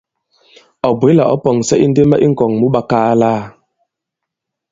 Ɔ̀ bwě la ɔ̃ pɔ̀ŋsɛ indema ì ŋ̀kɔ̀ŋɓakaala.